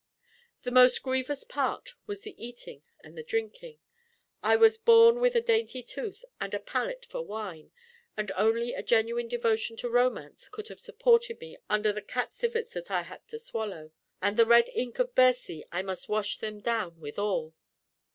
The most grievous part was the eating and the drinking. I was born with a dainty tooth and a palate for wine; and only a genuine devotion to romance could have supported me under the cat civets that I had to swallow, and the red ink of Bercy I must wash them down withal.